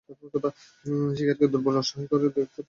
শিকারকে দুর্বল অসহায় হয়ে যেতে দেখলে অনেক প্রাণীই আক্রমণ করে বসে।